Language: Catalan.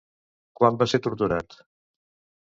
Quan va ser torturat?